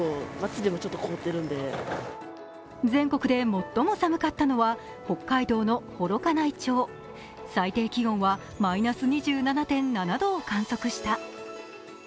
全国で最も寒かったのは北海道の幌加内町最低気温はマイナス２７．７度を観測した。